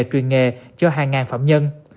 truyền nghề cho hàng ngàn phạm nhân